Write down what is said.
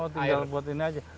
oh tinggal buat ini aja